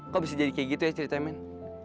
kok bisa jadi kayak gitu ya ceritanya men